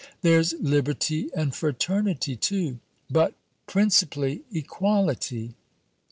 "There's liberty and fraternity, too." "But principally equality!"